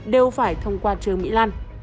đều phải thông qua trương mỹ lan